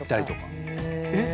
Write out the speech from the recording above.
えっ？